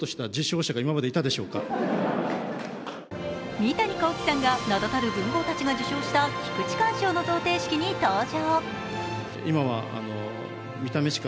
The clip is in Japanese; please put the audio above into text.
三谷幸喜さんが、名だたる文豪たちが受賞した菊池寛賞の贈呈式に登場。